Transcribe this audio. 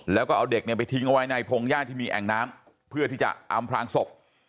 แล้วก็เอาเด็กเนี่ยไปทิ้งเอาไว้ในพงหญ้าที่มีแอ่งน้ำเพื่อที่จะอำพลางศพ